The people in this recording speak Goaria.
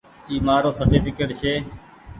اي مآرو سرٽيڦڪيٽ ڇي۔